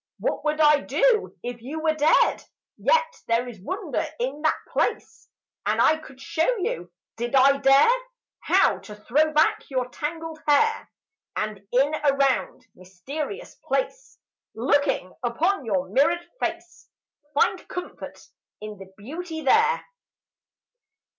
What would I do if you were dead? Yet there Is wonder In that place, And I could show you, did I dare, How to throw back your tangled hair, And in a round, mysterious place, Looking upon your mirrored face, Find comfort in the beauty there..